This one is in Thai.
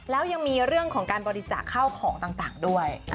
แล้วยังมีเรื่องของการบริจาคข้าวของต่างด้วย